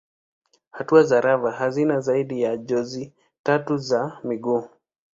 Hatua za lava hazina zaidi ya jozi tatu za miguu.